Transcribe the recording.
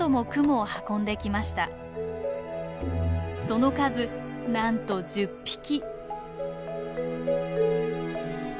その数なんと１０匹。